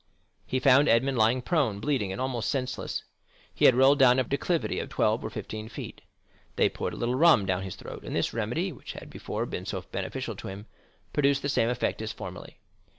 He found Edmond lying prone, bleeding, and almost senseless. He had rolled down a declivity of twelve or fifteen feet. They poured a little rum down his throat, and this remedy which had before been so beneficial to him, produced the same effect as formerly.